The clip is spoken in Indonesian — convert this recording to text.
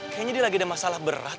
kayaknya dia lagi ada masalah berat